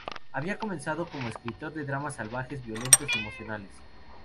Había comenzado como un escritor de dramas salvajes, violentos y emocionales.